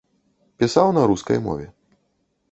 Пісаў на рускай мове.